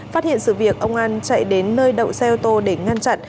phát hiện sự việc ông an chạy đến nơi đậu xe ô tô để ngăn chặn